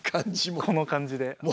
この感じも。